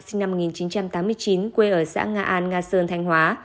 sinh năm một nghìn chín trăm tám mươi chín quê ở xã nga an nga sơn thanh hóa